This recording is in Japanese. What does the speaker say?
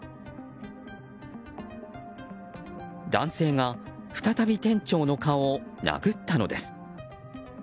男性が再び店長の顔を殴ったのです。